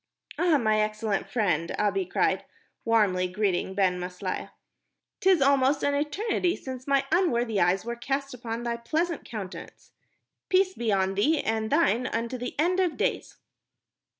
"Ah, my excellent friend," Abi cried, warmly greeting Ben Maslia, "'tis almost an eternity since my unworthy eyes were cast upon thy pleasant countenance. Peace be on thee and thine unto the end of days."